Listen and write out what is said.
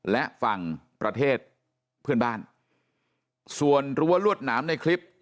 และฝั่งประเทศเพื่อนบ้านส่วนรั้วรวดหนามในคลิป